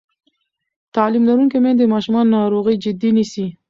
تعلیم لرونکې میندې د ماشومانو ناروغي جدي نیسي.